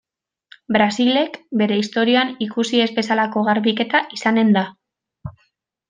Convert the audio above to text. Brasilek bere historian ikusi ez bezalako garbiketa izanen da.